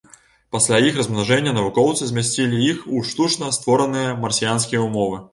Пасля іх размнажэння навукоўцы змясцілі іх у штучна створаныя марсіянскія ўмовы.